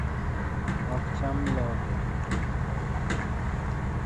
Ochamo lew dhiang’